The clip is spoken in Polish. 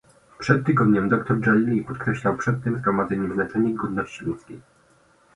Przed tygodniem dr Dżalili podkreślał przed tym zgromadzeniem znaczenie godności ludzkiej